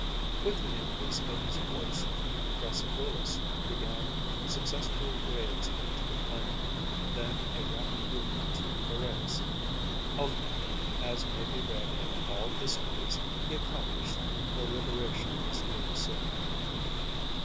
With the increase of his force Thrasybulus began successful raids into the plain, then a rapid movement to Peiræus; ultimately, as may be read in all histories, he accomplished the liberation of his native city.